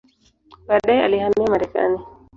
Baadaye alihamia Marekani.